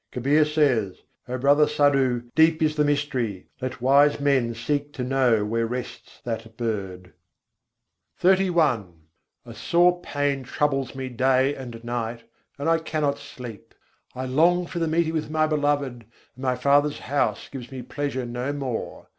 Kabîr says: "O brother Sadhu! deep is the mystery. Let wise men seek to know where rests that bird." XXXI II. 100. nis` din sâlai ghâw A sore pain troubles me day and night, and I cannot sleep; I long for the meeting with my Beloved, and my father's house gives me pleasure no more.